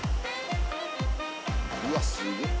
うわっすげえ。